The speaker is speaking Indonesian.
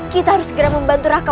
kita harus segera membantu raka